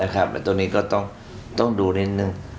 แต่ตัวนี้ก็ต้องดูนิดนึง